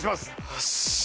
よし！